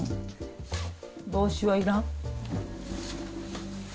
帽子はいらん？